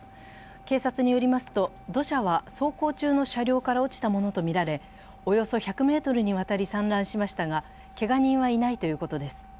警察によりますと、土砂は走行中の車両から落ちたものとみられ、およそ１００ｍにわたり散乱しましたがけが人はいないということです。